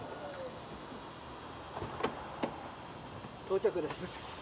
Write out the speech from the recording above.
到着です。